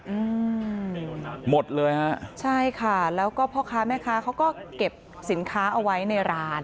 อืมหมดเลยฮะใช่ค่ะแล้วก็พ่อค้าแม่ค้าเขาก็เก็บสินค้าเอาไว้ในร้าน